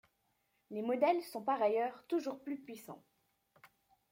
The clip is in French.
Les modèles sont par ailleurs toujours plus puissants.